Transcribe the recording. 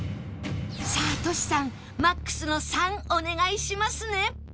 さあトシさんマックスの３お願いしますね